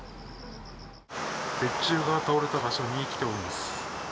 鉄柱が倒れた場所に来ております。